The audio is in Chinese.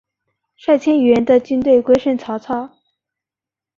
率千余人的军队归顺曹操。